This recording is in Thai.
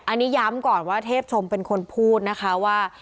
อันนี้ย้ำก่อนว่าเทพชมเป็นคนพูดนะคะว่า